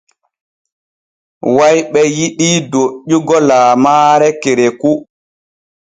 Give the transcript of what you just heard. Wayɓe yiɗii doƴƴugo laamaare kereku.